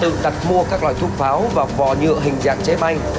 tự tật mua các loại thuốc pháo và bò nhựa hình dạng chế manh